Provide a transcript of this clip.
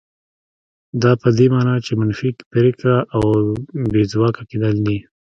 دا په دې مانا چې منفي پرېکړه او بې ځواکه کېدل دي.